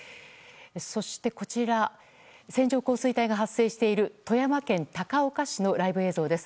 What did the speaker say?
そして線状降水帯が発生している富山県高岡市のライブ映像です。